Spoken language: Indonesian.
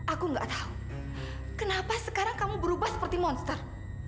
aku gak tahu kenapa sekarang kamu berubah seperti monster